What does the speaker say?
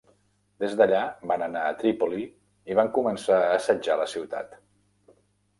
Des d'allà van anar a Trípoli i van començar a assetjar la ciutat.